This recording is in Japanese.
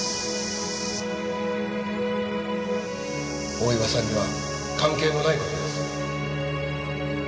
大岩さんには関係のない事です。